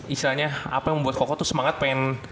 istilahnya apa yang membuat koko itu semangat pengen